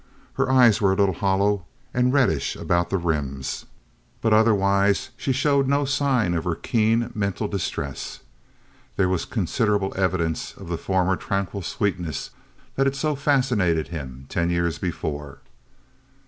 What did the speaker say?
Her eyes were a little hollow, and reddish about the rims, but otherwise she showed no sign of her keen mental distress. There was considerable evidence of the former tranquil sweetness that had so fascinated him ten years before.